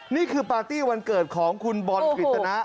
นี่คือปาร์ตี้วันเกิดของคุณบอลกฤษณะ